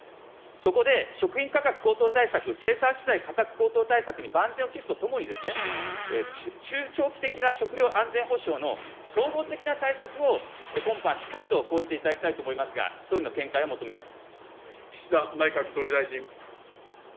そこで、食品価格高騰対策、生産資材価格高騰対策に万全を期すとともに、中長期的な食料安全保障の総合的な対策を今般、しっかりと講じていただきたいと思いますが、総理の見解を求めます。